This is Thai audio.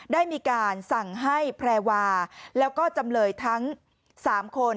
ได้มีการสั่งให้แพรวาแล้วก็จำเลยทั้ง๓คน